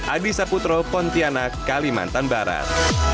adisa putro pontianak kalimantan barat